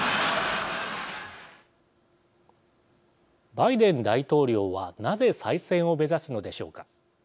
バイデン大統領はなぜ再選を目指すのでしょうか。